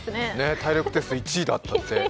体力テスト１位だったって。